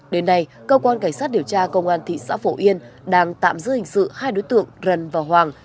đến nay cơ quan cảnh sát điều tra công an thị xã phổ yên đang tạm giữ hình sự hai đối tượng rần và hoàng